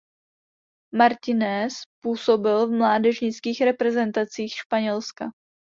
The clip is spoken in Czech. Martínez působil v mládežnických reprezentacích Španělska.